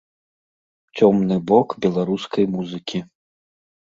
Цёмны бок беларускай музыкі.